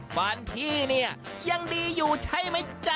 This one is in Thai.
ฟันพี่เนี่ยยังดีอยู่ใช่ไหมจ๊ะ